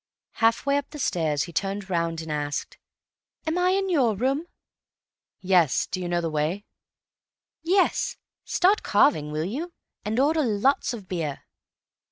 Half way up the stairs he turned round and asked, "Am I in your room?" "Yes. Do you know the way?" "Yes. Start carving, will you? And order lots of beer."